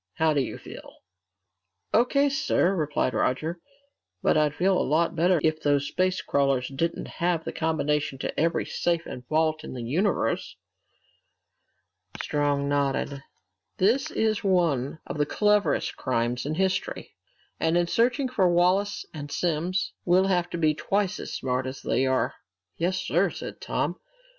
How do you feel?" "O.K., sir," replied Roger. "But I'd feel a lot better if those space crawlers didn't have the combination to every safe and vault in the universe!" Strong nodded. "This is one of the cleverest crimes in history. And in searching for Wallace and Simms, we'll have to be twice as smart as they are!" "Yes, sir," said Tom.